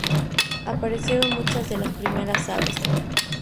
Aparecieron muchas de las primeras aves.